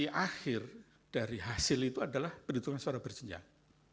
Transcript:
di akhir dari hasil itu adalah perhitungan suara berjenjang